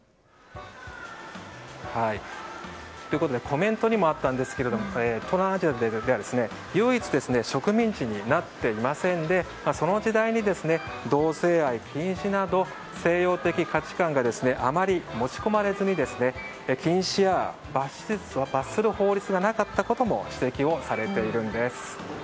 コメントにもあったんですが東南アジアでは唯一植民地になっていませんでその時代に同性愛禁止など西洋的価値観があまり持ち込まれずに禁止や罰する法律がなかったことも指摘をされているんです。